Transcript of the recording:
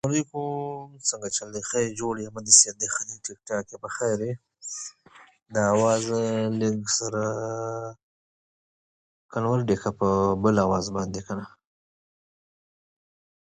His temple name means "Esteemed Ancestor".